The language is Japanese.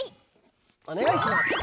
お願いします。